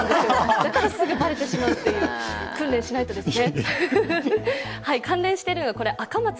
だからすぐバレてしまうという、訓練しないとですね。